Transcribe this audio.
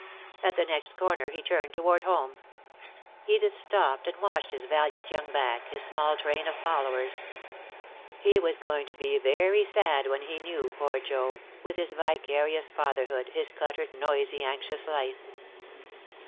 At the next corner he turned toward home. Edith stopped and watched his valiant young back, his small train of followers. He was going to be very sad when he knew, poor Joe, with his vicarious fatherhood, his cluttered, noisy, anxious life.